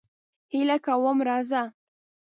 هیله کوم راځه.